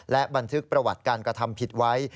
และบันทึกประวัติการกระทำผิดไว้